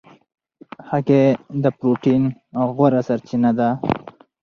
هګۍ د پروټین غوره سرچینه ده.